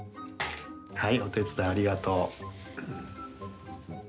はい、お手伝いありがとう。